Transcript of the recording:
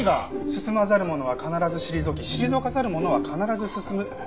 進まざる者は必ず退き退かざる者は必ず進む。